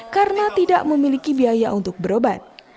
karena tidak memiliki biaya untuk berobat